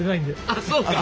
あっそうか！